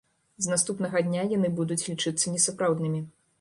З наступнага дня яны будуць лічыцца несапраўднымі.